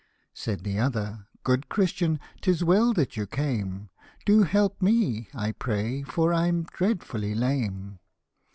Said the other, " Good Christian ! 'tis well that you came, Do help me, I pray, for I'm dreadfully lame